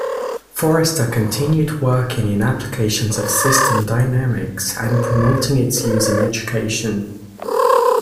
Forrester continued working in applications of system dynamics and promoting its use in education.